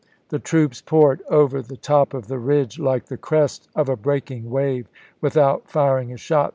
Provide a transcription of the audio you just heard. The troops poured over the top of the ridge like the crest of a breaking wave, without firing a shot.